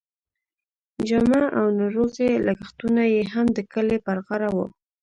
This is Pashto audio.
جامه او ناروغۍ لګښتونه یې هم د کلي پر غاړه وو.